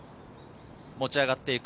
持ち上がっていく。